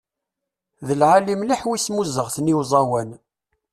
D lεali mliḥ w' ismuzegten i uẓawan.